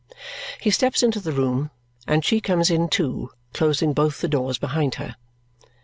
He steps into the room, and she comes in too, closing both the doors behind her.